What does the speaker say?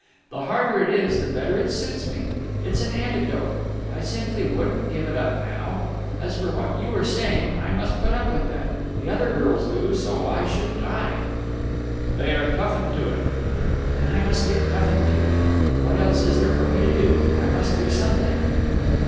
The harder it is, the better it suits me. It's an antidote. I simply wouldn't give it up now. As for what you were saying, I must put up with that. The other girls do, so why shouldn't I?" "They are toughened to it." "Then I must get toughened to it. What else is there for me to do? I must do something."